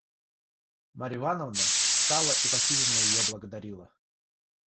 Марья Ивановна встала и почтительно ее благодарила.